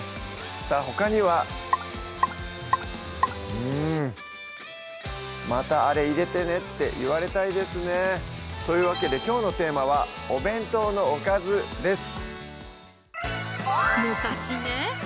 さぁほかにはうん「またアレ入れてね」って言われたいですねというわけできょうのテーマは「お弁当のおかず」です